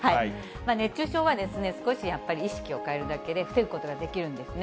熱中症は少しやっぱり意識を変えるだけで、防ぐことができるんですね。